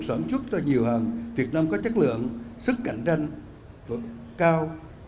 sản xuất ra nhiều hàng việt nam có chất lượng sức cạnh tranh cao